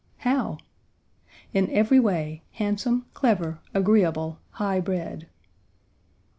"How?" "In every way handsome, clever, agreeable, high bred."